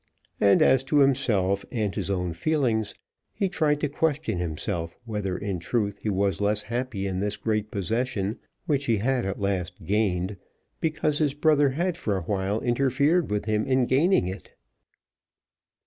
And, as to himself and his own feelings, he tried to question himself, whether, in truth, was he less happy in this great possession, which he had at last gained, because his brother had for a while interfered with him in gaining it?